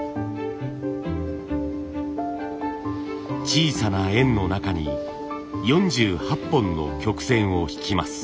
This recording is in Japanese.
小さな円の中に４８本の曲線を引きます。